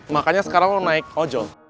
makanya sekarang mau naik ojol